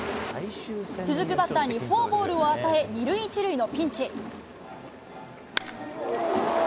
続くバッターにフォアボールを与え、２塁１塁のピンチ。